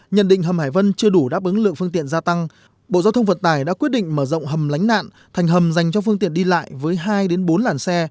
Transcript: nhận định hầm hải vân chưa đủ đáp ứng lượng phương tiện gia tăng bộ giao thông vận tải đã quyết định mở rộng hầm lánh nạn thành hầm dành cho phương tiện đi lại với hai bốn làn xe